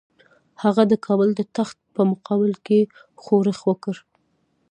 هغه د کابل د تخت په مقابل کې ښورښ وکړ.